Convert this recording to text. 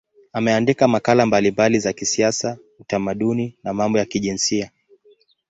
Ameandika makala mbalimbali za kisiasa, utamaduni na mambo ya kijinsia.